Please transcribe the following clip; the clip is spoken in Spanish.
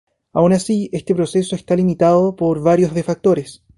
Aun así, este proceso está limitado por varios de factores.